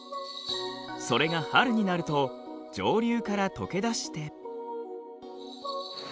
それが春になると上流から解けだして。